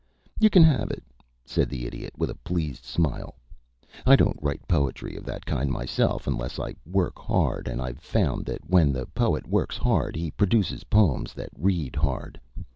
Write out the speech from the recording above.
"You can have it," said the Idiot, with a pleased smile. "I don't write poetry of that kind myself unless I work hard, and I've found that when the poet works hard he produces poems that read hard.